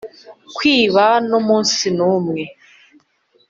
kwiba numunsi numwe